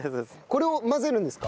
これを混ぜるんですか？